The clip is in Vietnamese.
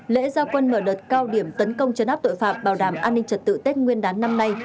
lễ gia quân mở đợt cao điểm tấn công chấn áp tội phạm bảo đảm an ninh trật tự tết nguyên đán năm nay